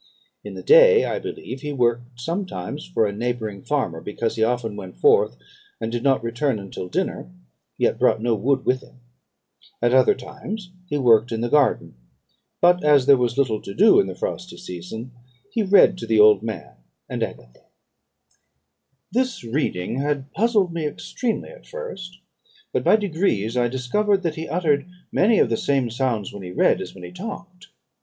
In the day, I believe, he worked sometimes for a neighbouring farmer, because he often went forth, and did not return until dinner, yet brought no wood with him. At other times he worked in the garden; but, as there was little to do in the frosty season, he read to the old man and Agatha. "This reading had puzzled me extremely at first; but, by degrees, I discovered that he uttered many of the same sounds when he read, as when he talked.